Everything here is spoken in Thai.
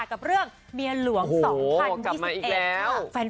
กับเรื่องเมียหลวง๒๐๒๑